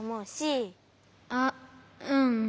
あっうん。